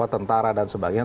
tentara dan sebagainya